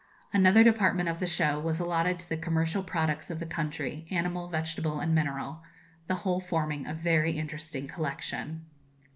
Another department of the show was allotted to the commercial products of the country, animal, vegetable, and mineral; the whole forming a very interesting collection.